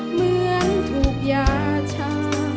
เหมือนถูกยาชา